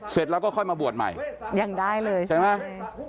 เสร็จแล้วก็ค่อยมาบวชใหม่ยังได้เลยใช่ไหม